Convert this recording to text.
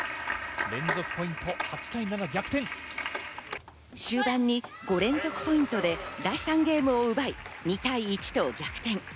連続ポイ終盤に５連続ポイントで第３ゲームを奪い、２対１と逆転。